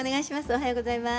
おはようございます。